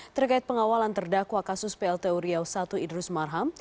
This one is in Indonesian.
terkait pengawalan terdakwa kasus plt uriau idrus marham